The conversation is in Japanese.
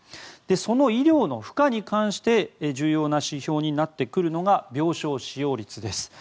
その医療の負荷に関して重要な指標になってくるのが病床使用率です。